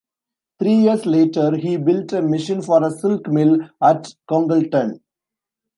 Three years later he built a machine for a silk mill at Congleton.